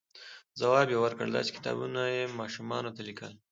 ځواب یې ورکړ، داسې کتابونه یې ماشومانو ته لیکل،